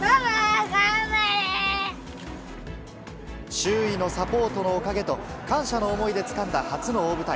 周囲のサポートのおかげと、感謝の思いでつかんだ初の大舞台。